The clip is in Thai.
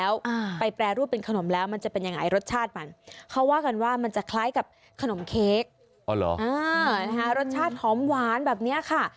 ว่ามันจะคล้ายกับขนมเค้กรสชาติหอมหวานแบบนี้ค่ะ